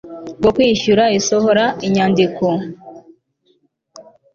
bwo kwishyura isohora inyandiko